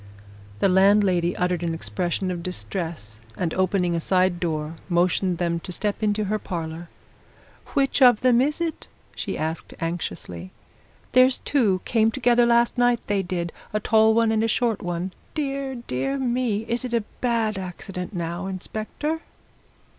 The landlady uttered an expression of distress, and opening a side door, motioned them to step into her parlour. "Which of them is it?" she asked anxiously. "There's two came together last night, they did a tall one and a short one. Dear, dear me! is it a bad accident, now, inspector?"